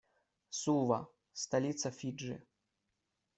Сува - столица Фиджи.